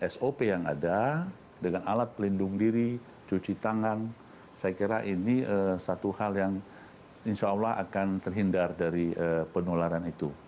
sop yang ada dengan alat pelindung diri cuci tangan saya kira ini satu hal yang insya allah akan terhindar dari penularan itu